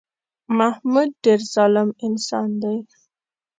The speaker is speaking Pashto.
محمود ډېر ظالم انسان دی